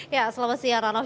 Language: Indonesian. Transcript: ya selamat siang heranov